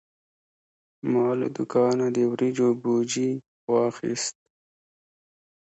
ما له دوکانه د وریجو بوجي واخیست.